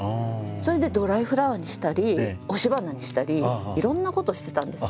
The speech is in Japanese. それでドライフラワーにしたり押し花にしたりいろんなことしてたんです。